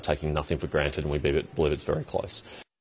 tidak mengambil alasan dan kami percaya itu sangat dekat